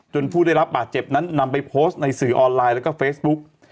ผู้ได้รับบาดเจ็บนั้นนำไปโพสต์ในสื่อออนไลน์แล้วก็เฟซบุ๊ก